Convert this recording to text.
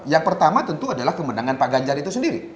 yang pertama tentu adalah kemenangan pak ganjar itu sendiri